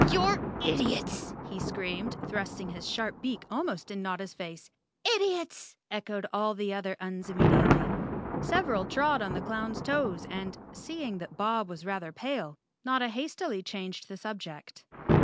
"You're idiots!" he screamed, thrusting his sharp beak almost in Notta's face. "Idiots!" echoed all the other Uns immediately. Several trod on the clown's toes and, seeing that Bob was rather pale, Notta hastily changed the subject.